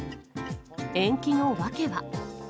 延期の訳は。